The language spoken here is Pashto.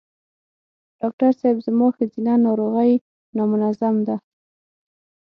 ډاکټر صېب زما ښځېنه ناروغی نامنظم ده